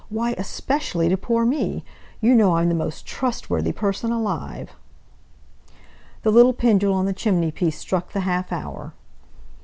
why 'especially' to poor me? You know I'm the most trustworthy person alive!" The little pendule on the chimney piece struck the half hour.